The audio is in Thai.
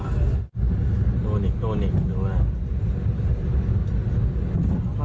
ธรรมดาโดนเองโดนเองดูน่ะ